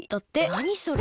なにそれ？